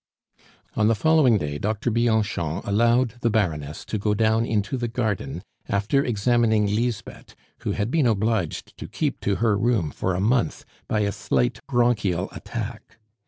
On the following day, Doctor Bianchon allowed the Baroness to go down into the garden, after examining Lisbeth, who had been obliged to keep to her room for a month by a slight bronchial attack.